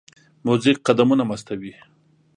موزیک قدمونه مستوي.